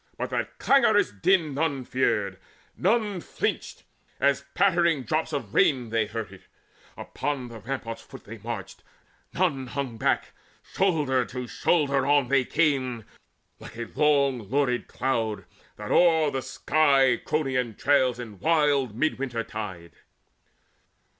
But that clangorous din None feared; none flinched; as pattering drops of rain They heard it. Up to the rampart's foot they marched: None hung back; shoulder to shoulder on they came Like a long lurid cloud that o'er the sky Cronion trails in wild midwinter tide.